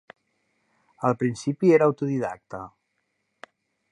Al principi era autodidacte.